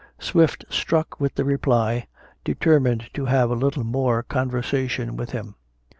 Swift, struck with the reply, determined to have a little more conversation with him.